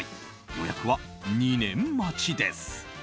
予約は、２年待ちです。